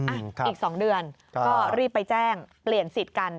อีก๒เดือนก็รีบไปแจ้งเปลี่ยนสิทธิ์กัน